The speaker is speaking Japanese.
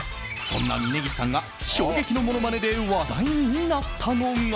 そんな峯岸さんが、衝撃のものまねで話題になったのが。